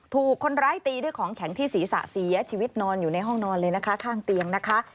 ถูกคนร้ายตีด้วยของแข็งที่ศีรษะเสียชีวิตนอนอยู่ในห้องนอนเลยนะคะข้างเตียงนะคะ